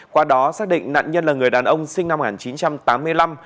qua đó xác định nạn nhân là người đàn ông sinh năm một nghìn chín trăm tám mươi năm